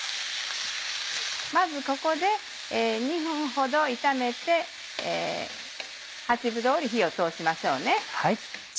まずここで２分ほど炒めて８分通り火を通しましょうね。